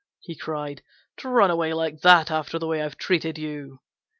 he cried, "to run away like that after the way I've treated you!"